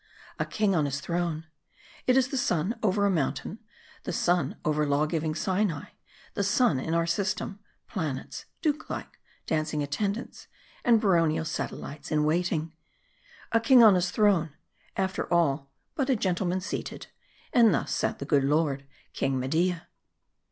A king on Ms throne ! It is the sun over a mountain; the sun over law giving Sinai ; the sun in our system : planets/duke like, dancing attendance, and baronial satellites in waiting. A king on his throne ! After all, but a gentleman seated. And thus sat the good lord, King Media.